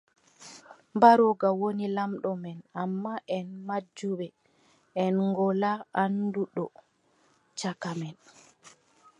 Mbarooga woni laamɗo men, ammaa, en majjuɓe, en ngolaa annduɗo caka men.